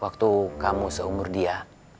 waktu kamu seumur dia